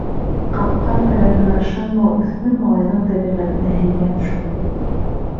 Ҡапҡан-фәләнгә ышанмау үҫмер малайҙың тәбиғәтенә һеңгән шул.